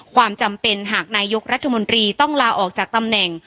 ความจำเป็นหากนายกรัฐมนตรีต้องลาออกจากตำแหน่ง